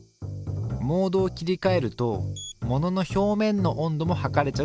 モードを切りかえるとものの表面の温度も測れちゃうすぐれもの。